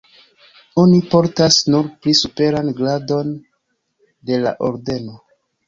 Oni portas nur pli superan gradon de la ordeno.